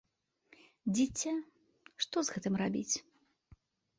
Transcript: Дзіця, што з гэтым рабіць?